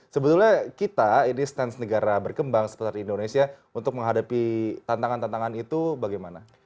sebetulnya kita ini stans negara berkembang seperti indonesia untuk menghadapi tantangan tantangan itu bagaimana